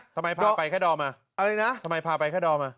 ทำไมพาไปแค่ดอม